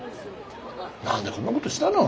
何でこんなことしたの。